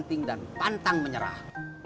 giting dan pantang menyerah